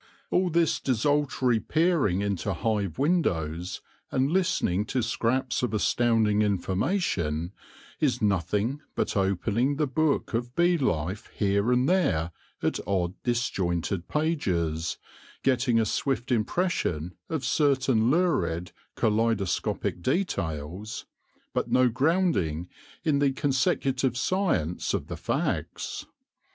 All this desultory peering into hive windows, and listening to scraps of as tounding information, is nothing but opening the book of bee life here and there at odd disjointed pages, getting a swift impression of certain lurid, kaleidoscopic details, but no grounding in the con secutive science of the facts.